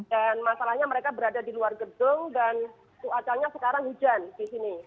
dan masalahnya mereka berada di luar gedung dan keadaannya sekarang hujan di sini